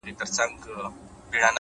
مهرباني بې له لګښته شتمني ده’